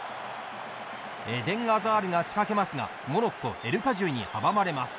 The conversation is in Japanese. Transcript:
エデン・アザールが仕掛けますがモロッコ、エルカジュイに阻まれます。